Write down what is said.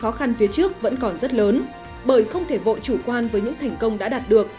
khó khăn phía trước vẫn còn rất lớn bởi không thể vội chủ quan với những thành công đã đạt được